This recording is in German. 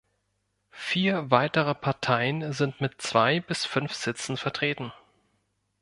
Vier weitere Parteien sind mit zwei bis fünf Sitzen vertreten.